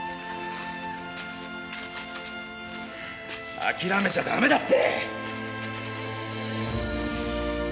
諦めちゃダメだって！